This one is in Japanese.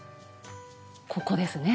ここですね！